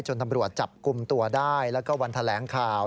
ตำรวจจับกลุ่มตัวได้แล้วก็วันแถลงข่าว